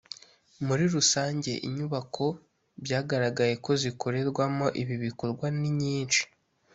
muri rusange inyubako byagaragaye ko zikorerwamo ibi bikorwa ni nyinshi